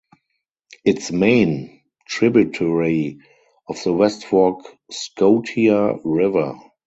Its main tributary of the West Fork Scotia River.